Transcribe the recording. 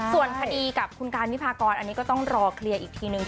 ส่วนคดีกับคุณการวิพากรอันนี้ก็ต้องรอเคลียร์อีกทีนึง